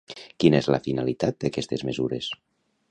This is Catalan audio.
Quina és la finalitat d'aquestes mesures?